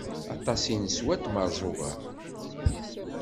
Aṭas i neswa n tmerẓuga.